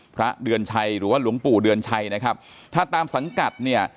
พระเดือนชัยหรือว่าหลวงปู่เดือนชัยนะครับถ้าตามสังกัดเนี่ย